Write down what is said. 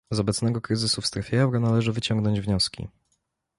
Z obecnego kryzysu w strefie euro należy wyciągnąć wnioski